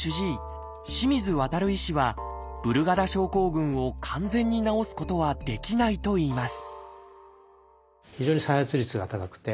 清水渉医師はブルガダ症候群を完全に治すことはできないといいます